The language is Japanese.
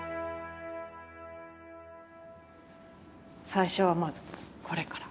最初はまずこれから。